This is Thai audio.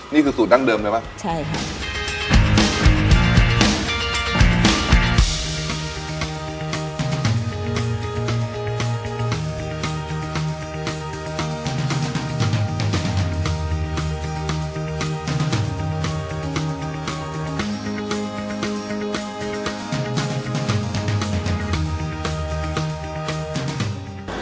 นี่คือสูตรดั้งเดิมใช่ไหมใช่ครับ